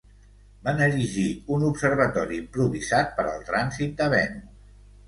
Van erigir un observatori improvisat per al trànsit de Venus.